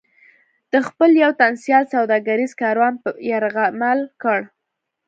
د خپل یو تن سیال سوداګریز کاروان یرغمل کړ.